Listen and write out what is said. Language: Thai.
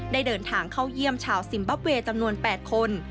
ได้เดินทางเข้าเยี่ยมชาวซิมบับเวย์จำนวน๘คน